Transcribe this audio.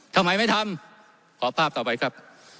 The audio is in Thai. ทำไมไม่ทำขอภาพต่อไปครับ